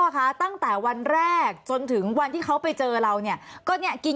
คะตั้งแต่วันแรกจนถึงวันที่เขาไปเจอเราเนี่ยก็เนี่ยกิน